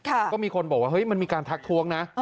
ก็มีคนบอกว่าเฮ้ยมันมีการทักท้วงนะ